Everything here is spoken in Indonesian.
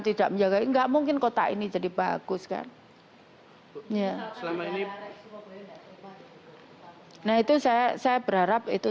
tidak menjaga enggak mungkin kota ini jadi bagus kan ya selama ini nah itu saya saya berharap itu